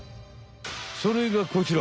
それがこちら。